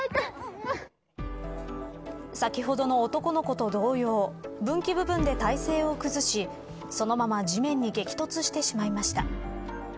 先ほどの男の子と同様分岐部分で体勢を崩しそのまま地面に激突してしまいました。